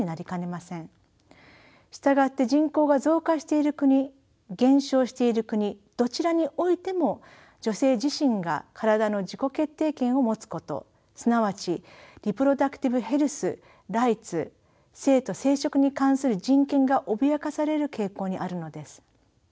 従って人口が増加している国減少している国どちらにおいても女性自身が体の自己決定権を持つことすなわちリプロダクティブ・ヘルス／ライツ性と生殖に関する人権が脅かされる傾向にあるのです。